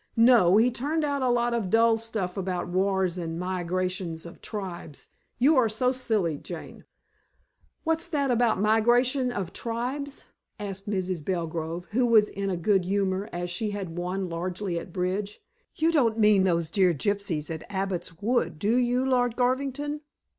"No. He turned out a lot of dull stuff about wars and migrations of tribes: you are silly, Jane." "What's that about migration of tribes?" asked Mrs. Belgrove, who was in a good humor, as she had won largely at bridge. "You don't mean those dear gypsies at Abbot's Wood do you, Lord Garvington?